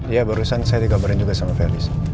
ya barusan saya dikabarin juga sama felis